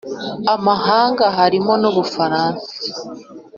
amahanga, harimo n'u bufaransa,